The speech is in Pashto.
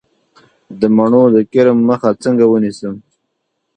د مڼو د کرم مخه څنګه ونیسم؟